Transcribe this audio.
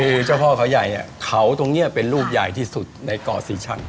คือเจ้าพ่อเขาใหญ่เขาตรงนี้เป็นลูกใหญ่ที่สุดในเกาะศรีชัง